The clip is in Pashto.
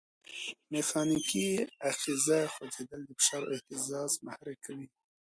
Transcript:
میخانیکي آخذه خوځېدل، فشار او اهتزاز محرک کوي.